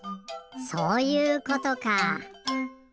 そういうことか。